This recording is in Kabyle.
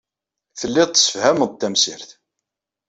Tellid tessefhamed-d tamsirt.